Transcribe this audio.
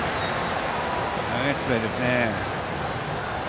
ナイスプレーですね。